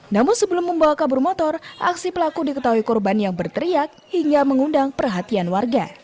namun sebelum membawa kabur motor aksi pelaku diketahui korban yang berteriak hingga mengundang perhatian warga